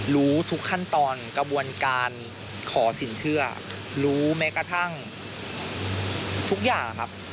รู้ทุกขั้นตอนกระบวนการขอสินเชื่อรู้แม้กระทั่งทุกอย่างครับ